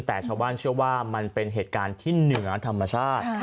แต่ชาวบ้านเชื่อว่ามันเป็นเหตุการณ์ที่เหนือธรรมชาติ